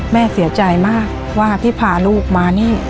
แม่เสียใจมากว่าที่พาลูกมานี่